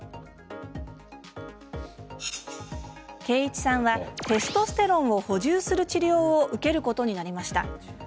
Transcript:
啓一さんはテストステロンを補充する治療を受けることになりました。